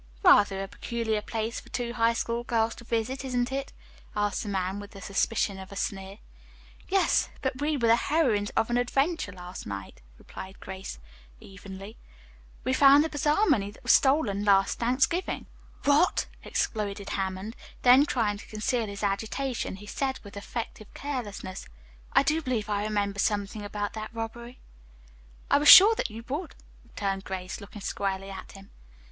"Rather a peculiar place for two High School girls to visit, isn't it!" asked the man with a suspicion of a sneer. "Yes, but we were the heroines in an adventure last night," replied Grace evenly. "We found the bazaar money that was stolen last Thanksgiving." "What!" exploded Hammond. Then trying to conceal his agitation, he said with affected carelessness, "I believe I do remember something about that robbery." "I was sure that you would," returned Grace, looking squarely at him.